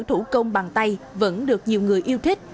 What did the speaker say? thủ công bằng tay vẫn được nhiều người yêu thích